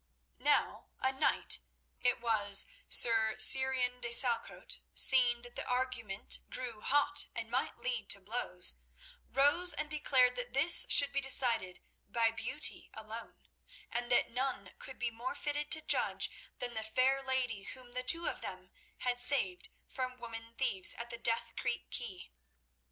Now a knight—it was Sir Surin de Salcote—seeing that the argument grew hot and might lead to blows, rose and declared that this should be decided by beauty alone, and that none could be more fitted to judge than the fair lady whom the two of them had saved from woman thieves at the Death Creek quay.